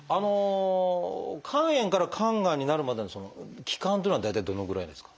肝炎から肝がんまでになるまでの期間っていうのは大体どのぐらいですか？